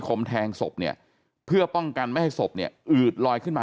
มแทงศพเนี่ยเพื่อป้องกันไม่ให้ศพเนี่ยอืดลอยขึ้นมา